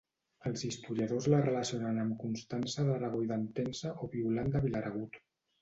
Els historiadors la relacionen amb Constança d'Aragó i d'Entença o Violant de Vilaragut.